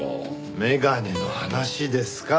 眼鏡の話ですか。